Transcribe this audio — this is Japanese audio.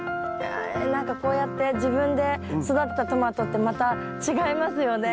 何かこうやって自分で育てたトマトってまた違いますよね。